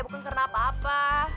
bukan karena apa apa